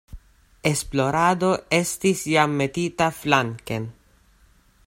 Esplorado estis jam metita flanken.